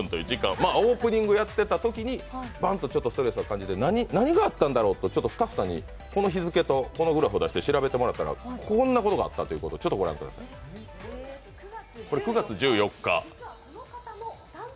まあオープニングやってたときにバンってストレス感じてて何があったんだろうと、スタッフさんにこの日付とこのグラフを出して調べてもらったらこんなことがあったということでこれ９月１４日。